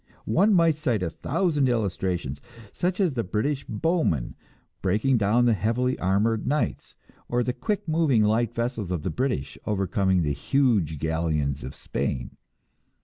One might cite a thousand illustrations, such as the British bowmen breaking down the heavily armored knights, or the quick moving, light vessels of Britain overcoming the huge galleons of Spain.